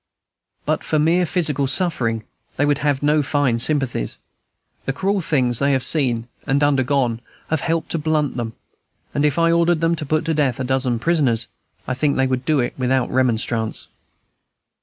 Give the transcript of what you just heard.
But for mere physical suffering they would have no fine sympathies. The cruel things they have seen and undergone have helped to blunt them; and if I ordered them to put to death a dozen prisoners, I think they would do it without remonstrance.